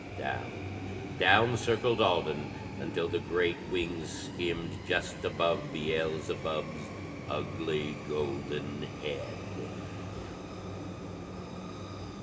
Down, down circled Alden until the great wings skimmed just above Beelzebub's ugly golden head.